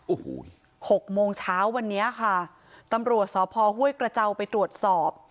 โอ้โหหกโมงเช้าวันนี้ค่ะตำรวจสพห้วยกระเจ้าไปตรวจสอบ